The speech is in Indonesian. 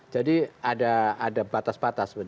jadi ada batas batas